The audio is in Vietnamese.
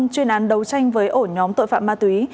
chuyên án đấu tranh với ổ nhóm tội phạm ma túy